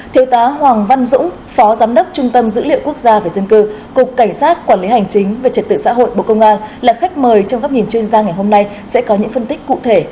thiếu tá hoàng văn dũng phó giám đốc trung tâm dữ liệu quốc gia về dân cư cục cảnh sát quản lý hành chính về trật tự xã hội bộ công an là khách mời trong góc nhìn chuyên gia ngày hôm nay sẽ có những phân tích cụ thể